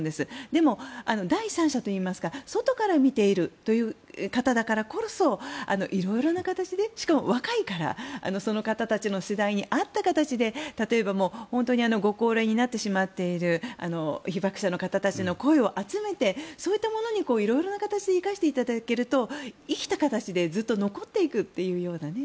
でも、第三者といいますか外から見ているという方だからこそ色々な形で、しかも若いからその方たちの世代に合った形で例えばもうご高齢になってしまっている被爆者の方たちの声を集めてそういったものに色々な形で生かしていただけると生きた形でずっと残っていくというようなね。